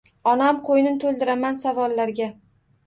Onam qo’ynin to’ldiraman savollarga.